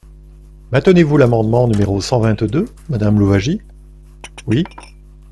Maintenez-vous l’amendement numéro cent vingt-deux, madame Louwagie ? Oui.